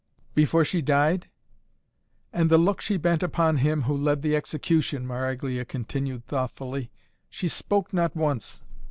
"Before she died?" "And the look she bent upon him who led the execution," Maraglia continued thoughtfully. "She spoke not once.